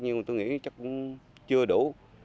nhưng tôi nghĩ chắc cũng chưa đủ